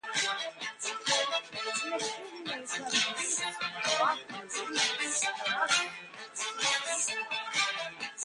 McKinley competes in the Oahu Interscholastic Association.